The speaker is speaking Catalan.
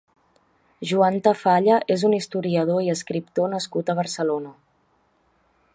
Joan Tafalla és un historiador i escriptor nascut a Barcelona.